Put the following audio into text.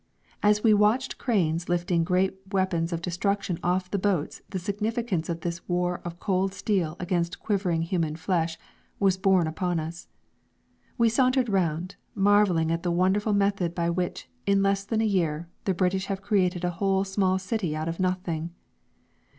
As we watched cranes lifting great weapons of destruction off the boats the significance of this war of cold steel against quivering human flesh was borne upon us. We sauntered round, marvelling at the wonderful method by which, in less than a year, the British have created a whole small city out of nothing.